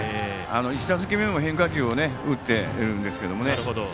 １打席目も変化球を打ってるんですけどね。